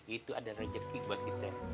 itu adalah rezeki buat kita